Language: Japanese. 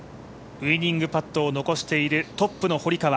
ウイニングパットを残しているトップの堀川。